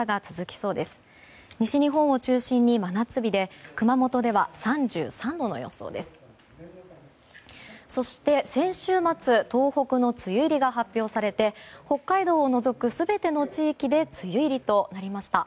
そして、先週末東北の梅雨入りが発表されて北海道を除く全ての地域で梅雨入りとなりました。